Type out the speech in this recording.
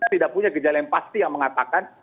tidak punya gejala yang pasti yang mengatakan